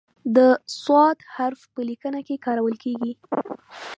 د "ص" حرف په لیکنه کې کارول کیږي.